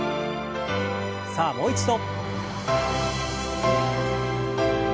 さあもう一度。